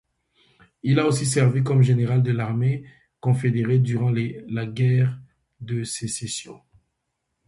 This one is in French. Il a aussi servi comme général de l'armée confédéré durant la Guerre de Sécession.